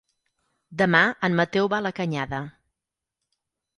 Demà en Mateu va a la Canyada.